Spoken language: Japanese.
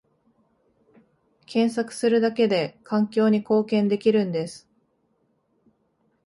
検索するだけで環境に貢献できるんです